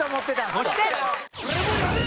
そして